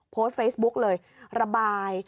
โพสต์เฟซบุ๊กเลยระบาย